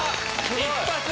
一発！